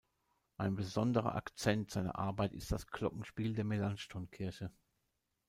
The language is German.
Ein besonderer Akzent seiner Arbeit ist das Glockenspiel der Melanchthonkirche.